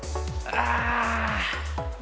ああ！